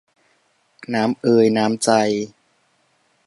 น้ำ เอย น้ำ ใจ